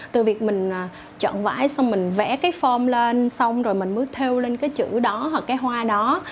từ việc mình chọn vải xong mình vẽ cái phôm lên xong rồi mình mới theo lên cái chữ đó hoặc cái hoa đó